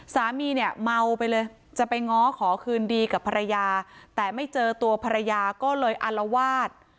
สามีเนี่ยเมาไปเลยจะไปง้อขอคืนดีกับภรรยาแต่ไม่เจอตัวภรรยาก็เลยอารวาส